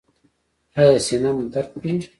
ایا سینه مو درد کوي؟